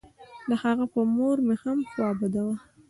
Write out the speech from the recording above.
د هغه په مور مې هم خوا بده وه.